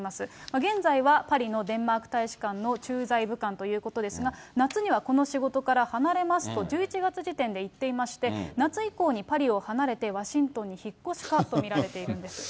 現在はパリのデンマーク大使館の駐在武官ということですが、夏にはこの仕事から離れますと１１月時点でいっていまして、夏以降にパリを離れて、ワシントンに引っ越しかと見られているんです。